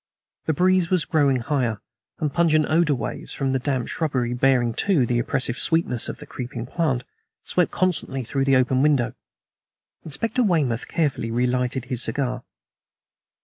The breeze was growing higher, and pungent odor waves from the damp shrubbery, bearing, too, the oppressive sweetness of the creeping plant, swept constantly through the open window. Inspector Weymouth carefully relighted his cigar.